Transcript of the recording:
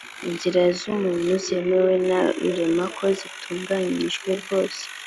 inzira z umuntu zemewe na rurema ko zitunganijwe rwose